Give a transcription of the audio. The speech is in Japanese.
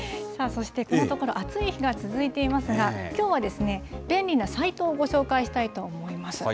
そしてこのところ、暑い日が続いていますが、きょうは便利なサイトをご紹介したいと思います。